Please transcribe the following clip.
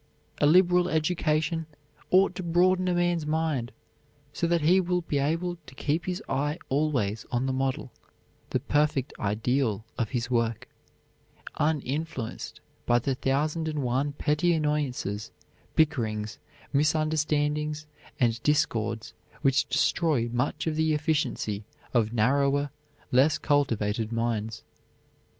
A liberal education ought to broaden a man's mind so that he will be able to keep his eye always on the model, the perfect ideal of his work, uninfluenced by the thousand and one petty annoyances, bickerings, misunderstandings, and discords which destroy much of the efficiency of narrower, less cultivated minds.